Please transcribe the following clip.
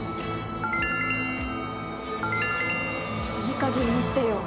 いいかげんにしてよ！